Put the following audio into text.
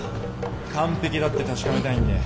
完璧だって確かめたいんで。